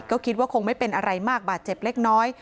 ก็คิดว่าคงไม่เป็นอะไรมากบาดเจ็บเล็กน้อย